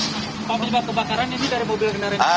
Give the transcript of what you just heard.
pak penyebab kebakaran ini dari mobil kendaraan